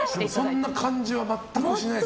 そんな感じは全くしないですね。